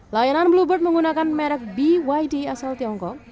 layanan bluebird menggunakan merek byd asal tiongkok